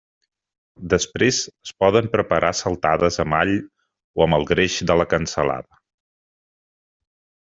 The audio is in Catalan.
Després es poden preparar saltades amb all o amb el greix de la cansalada.